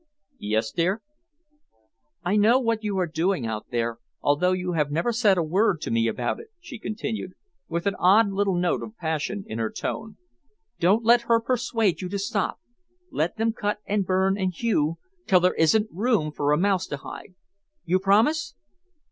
"Yes, dear?" "I know what you are doing out there, although you have never said a word to me about it," she continued, with an odd little note of passion in her tone. "Don't let her persuade you to stop. Let them cut and burn and hew till there isn't room for a mouse to hide. You promise?"